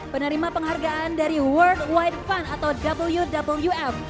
penerima penghargaan dari world wide fund atau wwf